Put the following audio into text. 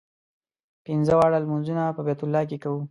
پنځه واړه لمونځونه په بیت الله کې کوو.